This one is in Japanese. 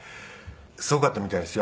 すごかったみたいですよ。